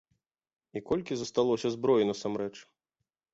І колькі засталося зброі насамрэч?